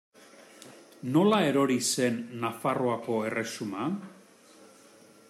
Nola erori zen Nafarroako erresuma?